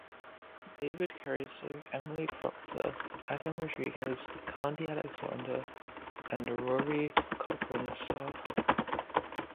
David Caruso, Emily Procter, Adam Rodriguez, Khandi Alexander, and Rory Cochrane star.